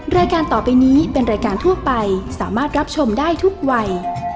รายการต่อไปนี้เป็นรายการทั่วไปสามารถรับชมได้ทุกวัย